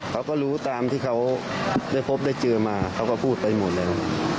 เขาก็รู้ตามที่เขาได้พบได้เจอมาเขาก็พูดไปหมดแล้ว